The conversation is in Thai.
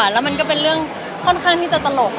แล้วมันก็เป็นเรื่องค่อนข้างที่จะตลก